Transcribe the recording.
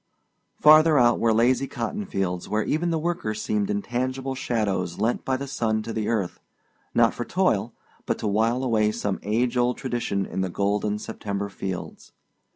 Farther out were lazy cotton fields where even the workers seemed intangible shadows lent by the sun to the earth, not for toil, but to while away some age old tradition in the golden September fields.